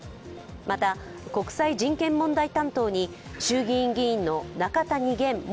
また、国際人権問題担当に衆議院議員の中谷元元